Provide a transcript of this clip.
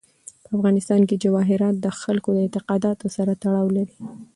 په افغانستان کې جواهرات د خلکو د اعتقاداتو سره تړاو لري.